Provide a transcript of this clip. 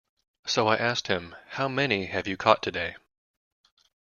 So I asked him, How many have you caught today?